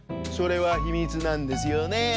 それはひみつなんですよね